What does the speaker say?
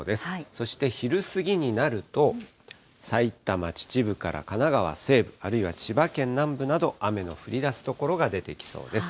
そして昼過ぎになると、埼玉・秩父から神奈川西部、あるいは千葉県南部など、雨の降りだす所が出てきそうです。